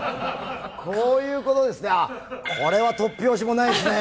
こういうことですね、あっ、これは突拍子もないですね。